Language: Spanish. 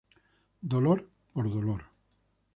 Dolor por dolor.